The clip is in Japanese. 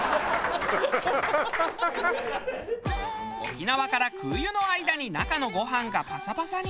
沖縄から空輸の間に中のご飯がパサパサに。